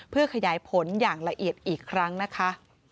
เพื่อขยายผลอย่างละเอียดอีกครั้งนะคะ